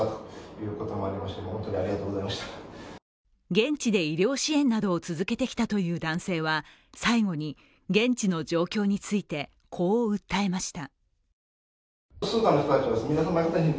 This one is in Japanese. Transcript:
現地で医療支援などを続けてきたという男性は最後に、現地の状況についてこう訴えました。